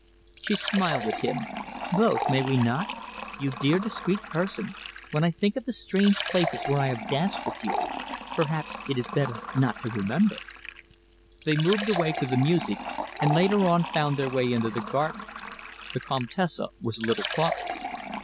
She smiled at him. "Both, may we not? You dear, discreet person, when I think of the strange places where I have danced with you Perhaps it is better not to remember!" They moved away to the music and later on found their way into the garden. The Comtesse was a little thoughtful.